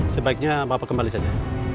sebaiknya bapak kembali saja